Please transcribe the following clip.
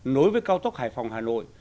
nối với cao tốc hải phòng hà nội